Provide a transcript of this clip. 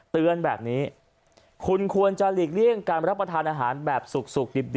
เตือนแบบนี้คุณควรจะหลีกเลี่ยงการรับประทานอาหารแบบสุกดิบ